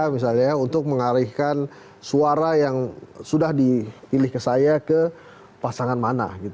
misalnya untuk mengalihkan suara yang sudah dipilih ke saya ke pasangan mana